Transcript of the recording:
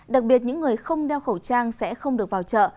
đặc biệt những người không đeo khẩu trang sẽ không được vào chợ